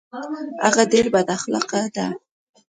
هغه ډیر بد اخلاقه ده